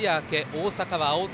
大阪は青空。